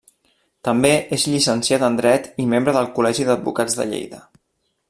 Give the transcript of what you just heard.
També és Llicenciat en Dret i membre del Col·legi d'Advocats de Lleida.